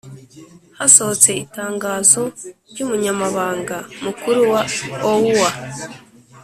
hasohotse itangazo ry'umunyamabanga mukuru wa oua